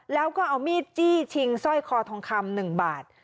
แล้วก็เอามีดจี้ชิงสร้อยคอทองคำ๑บาท